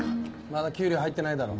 まだ給料入ってないだろ。